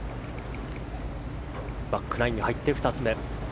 バックナインに入って２つ目。